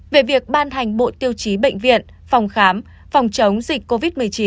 về việc ban hành bộ tiêu chí bệnh viện phòng khám phòng chống dịch covid một mươi chín